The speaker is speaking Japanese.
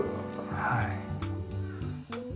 はい。